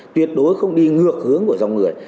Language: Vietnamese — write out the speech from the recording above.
tuyệt đối không đi ngược hướng của dòng người